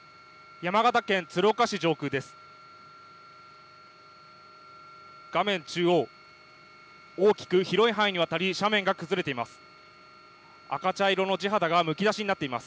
山形県鶴岡市上空です。